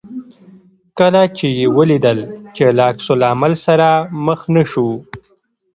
کله چې یې ولیدل چې له عکس العمل سره مخ نه شو.